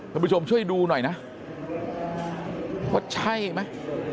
ทุกผู้ชมช่วยดูหน่อยนะอ้อคว้าใช่มั้ย